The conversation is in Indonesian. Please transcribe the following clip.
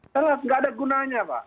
jelas nggak ada gunanya pak